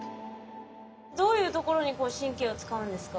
どういうところに神経を使うんですか？